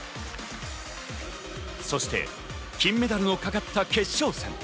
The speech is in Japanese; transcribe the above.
そして金メダルのかかった決勝戦。